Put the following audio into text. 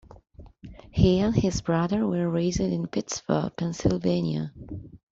He and his brother were raised in Pittsburgh, Pennsylvania.